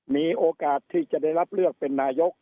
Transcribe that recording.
มีโอกาสที่จะได้รับเลือกเป็นนายก